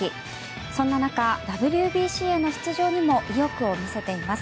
そんな中、ＷＢＣへの出場にも意欲を見せています。